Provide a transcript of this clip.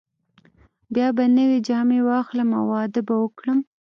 بیا به نوې جامې واخلم او واده به وکړم.